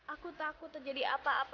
aku takut terjadi apa apa sama ibu